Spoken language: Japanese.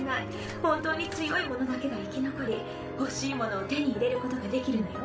本当に強い者だけが生き残り欲しいものを手に入れることができるのよ。